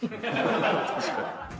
・確かに。